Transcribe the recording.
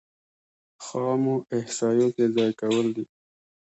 خامو احصایو کې ځای کول دي.